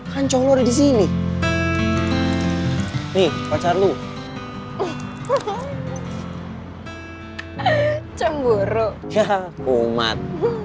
hai kan colok disini nih pacar lu cemburu ya umat